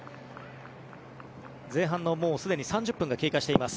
前半のすでに３０分が経過しています。